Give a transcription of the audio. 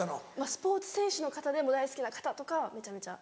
スポーツ選手の方でも大好きな方とかはめちゃめちゃ。